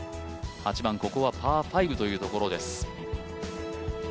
ここはパー５というところです。